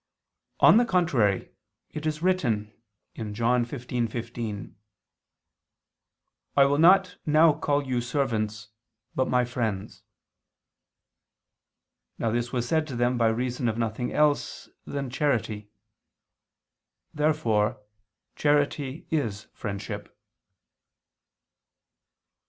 On the contrary, It is written (John 15:15): "I will not now call you servants ... but My friends." Now this was said to them by reason of nothing else than charity. Therefore charity is friendship.